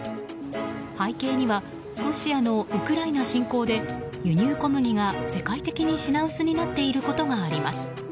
背景にはロシアのウクライナ侵攻で輸入小麦が世界的に品薄になっていることがあります。